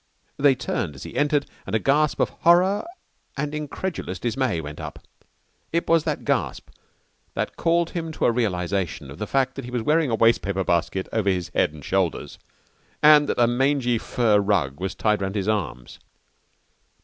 They turned as he entered and a gasp of horror and incredulous dismay went up. It was that gasp that called him to a realisation of the fact that he was wearing a wastepaper basket over his head and shoulders, and that a mangy fur rug was tied round his arms.